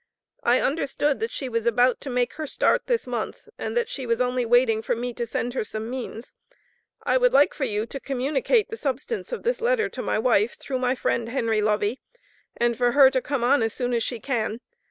I understood that she was about to make her start this month, and that she was only waiting for me to send her some means. I would like for you to communicate the substance of this letter to my wife, through my friend Henry Lovey, and for her to come on as soon as she can.